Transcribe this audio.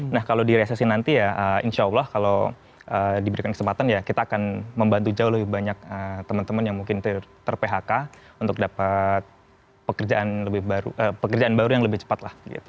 nah kalau di resesi nanti ya insya allah kalau diberikan kesempatan ya kita akan membantu jauh lebih banyak teman teman yang mungkin ter phk untuk dapat pekerjaan baru yang lebih cepat lah